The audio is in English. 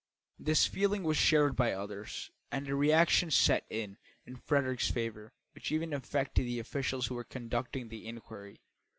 This feeling was shared by others, and a reaction set in in Frederick's favour, which even affected the officials who were conducting the inquiry.